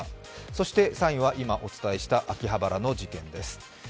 そして３位は今お伝えした秋葉原の事件です。